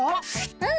うん。